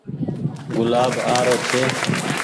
گلآب آ رو ڇي ۔